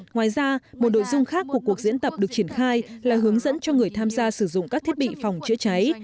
ngoài ra một nội dung khác của cuộc diễn tập được triển khai là hướng dẫn cho người tham gia sử dụng các thiết bị phòng cháy chữa cháy